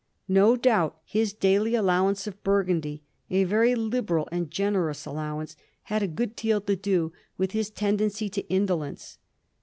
No doubt his daily allowance of Bur gundy — a very liberal and generous allowance — ^had a good deal to do with his tendency to indolence.